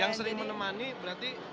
yang sering menemani berarti